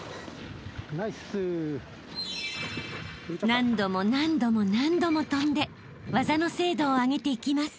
［何度も何度も何度もとんで技の精度を上げていきます］